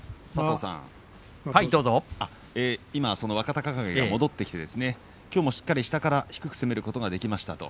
今、その若隆景が戻ってきてきょうもしっかり下から低く攻めることができましたと。